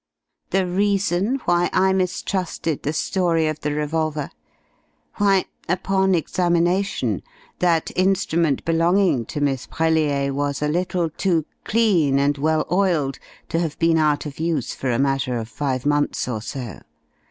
"... The reason why I mistrusted the story of the revolver? Why, upon examination, that instrument belonging to Miss Brellier was a little too clean and well oiled to have been out of use for a matter of five months or so.